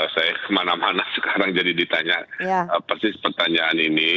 saya kemana mana sekarang jadi ditanya persis pertanyaan ini